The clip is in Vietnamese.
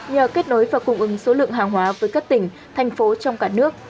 nhờ kết nối và cung ứng số lượng hàng hóa với các tỉnh thành phố trong cả nước